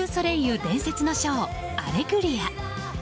伝説のショー、「アレグリア」。